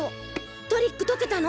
トリック解けたの？